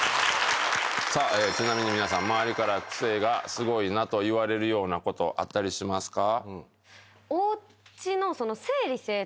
ちなみに皆さん周りからクセがスゴいなと言われるようなことあったりしますか？